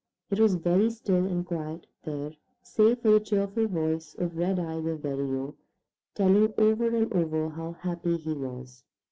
It was very still and quiet there save for the cheerful voice of Redeye the Vireo telling over and over how happy he was.